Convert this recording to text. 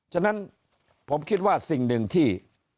ฉะนั้นผมคิดว่าสิ่งหนึ่งที่